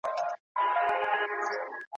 نن چي مي له دار سره زنګېږم ته به نه ژاړې